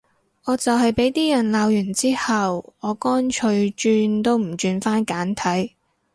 我就係畀啲人鬧完之後，我乾脆轉都唔轉返簡體